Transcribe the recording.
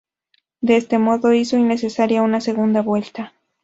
De este modo hizo innecesaria una segunda vuelta.